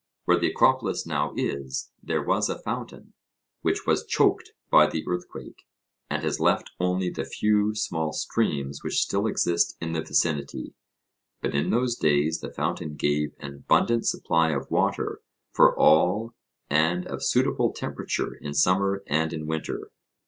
Where the Acropolis now is there was a fountain, which was choked by the earthquake, and has left only the few small streams which still exist in the vicinity, but in those days the fountain gave an abundant supply of water for all and of suitable temperature in summer and in winter.